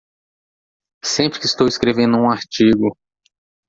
Sempre que estou escrevendo um artigo